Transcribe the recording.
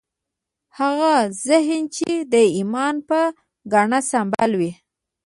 هغه ذهن چې د ایمان په ګاڼه سمبال وي